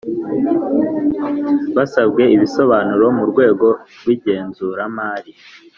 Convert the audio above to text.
Basabwwe ibisobanuro mu rwego rw’ igenzuramari